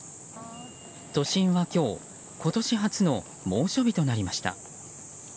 都心は今日今年初の猛暑日となりました。